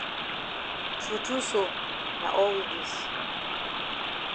True true so na all we dis.